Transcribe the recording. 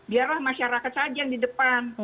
biarlah masyarakat saja yang di depan